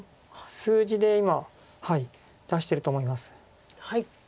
数字で今出してると思います。